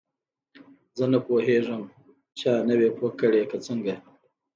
زه نه پوهیږم چا نه وې پوه کړې که څنګه.